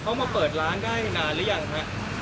เขามาเปิดร้านได้นานหรือยังฮะ